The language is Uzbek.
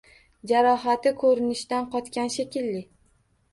Jarohati, ko‘rinishidan, qotgan shekilli.